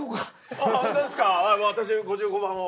はい私５５番を。